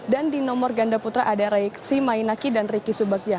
dan di nomor ganda putra ada rayeksi mainaki dan riki subakya